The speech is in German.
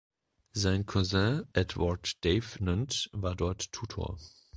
Sein Cousin Edward Davenant war dort Tutor.